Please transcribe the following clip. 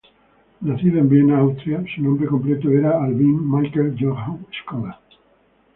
Nacido en Viena, Austria, su nombre completo era Albin Michael Johann Skoda.